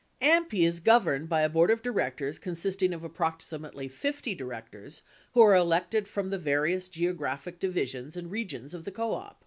AMPI is governed by a board of directors consisting of approxi mately 50 directors who are elected from the various geographic divi sions and regions of the co op.